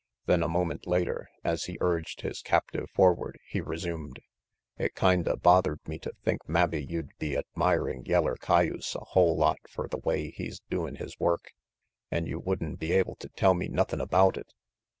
Then, a moment later, as he urged his captive forward, he resumed: "It kinda bothered me to think mabbe you'd be admirin' yeller cayuse a hull lot fer the way he's doin' his work, an' you would'n be able to tell me nothin' about it.